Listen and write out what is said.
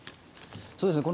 そうですね。